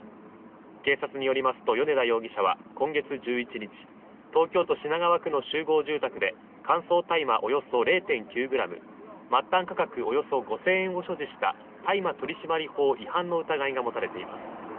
警察によりますと、米田容疑者は今月１１日、東京都品川区の集合住宅で乾燥大麻およそ０．９グラム末端価格およそ５０００円を所持した大麻取締法違反の疑いが持たれています。